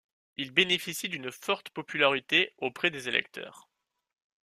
Il bénéficie d'une forte popularité auprès des électeurs.